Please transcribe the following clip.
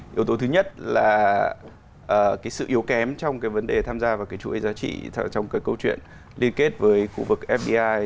yếu tố thứ nhất là cái sự yếu kém trong cái vấn đề tham gia vào cái chuỗi giá trị trong cái câu chuyện liên kết với khu vực fdi